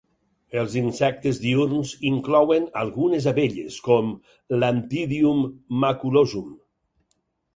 Els insectes diürns inclouen algunes abelles, com l'"Anthidium maculosum.